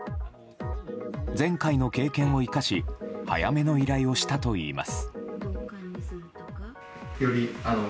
前回の経験を生かし早めの依頼をしたといいます。